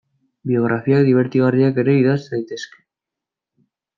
Biografiak dibertigarriak ere idatz daitezke.